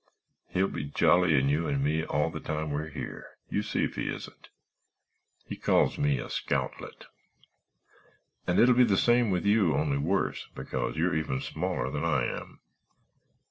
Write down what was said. He'll be jollying you and me all the time we're here—you see if he isn't. He calls me a scoutlet. And it'll be the same with you, only worse, because you're even smaller than I am.